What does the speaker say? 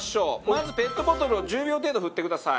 まずペットボトルを１０秒程度振ってください。